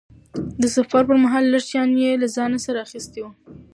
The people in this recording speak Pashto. د سفر پرمهال لږ شیان یې له ځانه سره اخیستي وو.